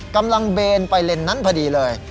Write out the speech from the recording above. กำลังเบนไปเลนนั้นพอดีเลย